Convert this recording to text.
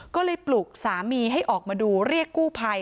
ก็เลยปลุกสามีให้ออกมาดูเรียกกู้ภัย